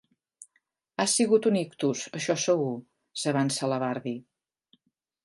Ha sigut un ictus, això segur —s'avança la barbi.